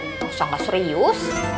nggak usah gak serius